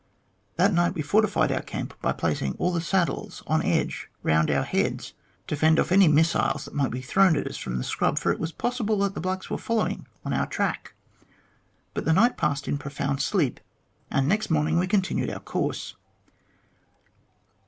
That night we fortified . our camp by placing all the saddles on edge round our heads to fend off any missiles that might be thrown at us from the scrub, for it was possible that the blacks were following on our track. But the night passed in profound sleep, and next morning we continued our course.